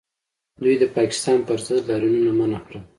دوی د پاکستان پر ضد لاریونونه منع کړل